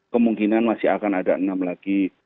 kemungkinan masih akan ada enam lagi